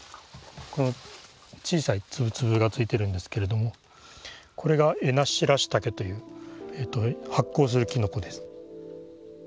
この小さい粒々がついてるんですけれどもこれがエナシラッシタケという発光するきのこです。